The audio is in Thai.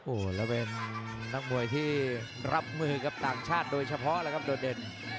โอ้โหแล้วเป็นนักมวยที่รับมือกับต่างชาติโดยเฉพาะแล้วครับโดดเด่น